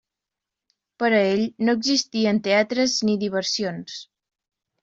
Per a ell no existien teatres ni diversions.